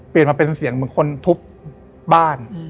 เปลี่ยนมาเป็นเสียงเหมือนคนทุบบ้าน